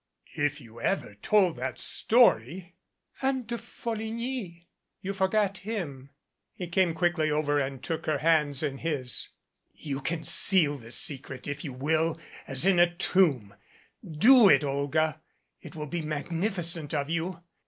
If you ever told that story " "And De Folligny? You forget him " He came quickly over and took her hands in his. "You can seal this secret, if you will, as in a tomb. Do it, Olga. It will be magnificent of you.